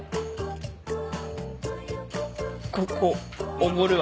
ここおごるわ。